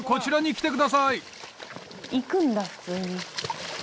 行くんだ普通に。